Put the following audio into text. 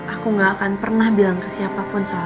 aku nggak akan pernah bilang ke siapapun soal itu